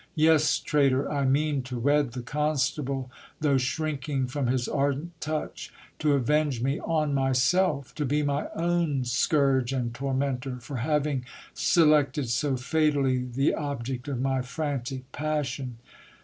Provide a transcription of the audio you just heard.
Yes, traitor, I mean to wed the constable, though shrinking from his ardent touch, to avenge me on myself ! to be my own scourge and tormentor, for having selected so fatally the object of my frantic passion.